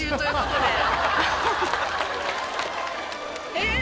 えっ。